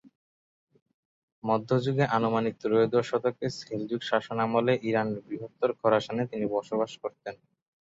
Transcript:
মধ্যযুগে আনুমানিক ত্রয়োদশ শতকে সেলজুক শাসনামলে ইরানের বৃহত্তর খোরাসানে তিনি বসবাস করতেন।